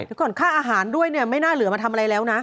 เดี๋ยวก่อนค่าอาหารด้วยเนี่ยไม่น่าเหลือมาทำอะไรแล้วนะ